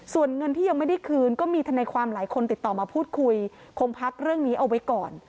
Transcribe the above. ส่วนเงินที่ยังไม่ได้คืนก็มีธนายความหลายคนติดต่อมาพูดคุยคงพักเรื่องนี้เอาไว้ก่อน